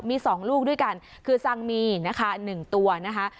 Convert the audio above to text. มีสองลูกด้วยกันคือซังมีนะคะหนึ่งตัวนะคะ